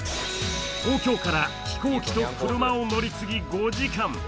東京から飛行機と車を乗り継ぎ５時間。